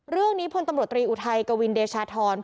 เรื่องนี้พลตำรวจตรีอุทัยกวินเดชาธร